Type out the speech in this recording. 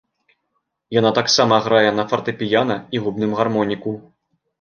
Яна таксама грае на фартэпіяна і губным гармоніку.